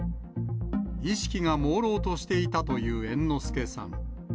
意識がもうろうとしていたという猿之助さん。